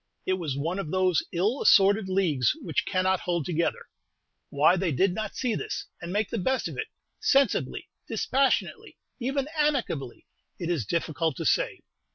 It was one of those ill assorted leagues which cannot hold together. Why they did not see this, and make the best of it, sensibly, dispassionately, even amicably, it is difficult to say.